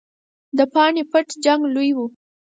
د پاني پټ جنګ لوی وو.